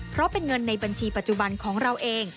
เพราะเป็นเงินในบัญชีปัจจุบันของเราเอง